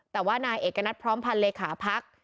แต่ว่านายเอกณัฐพร้อมพันธ์เลขาพัก